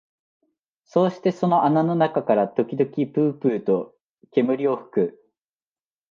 そうしてその穴の中から時々ぷうぷうと煙を吹く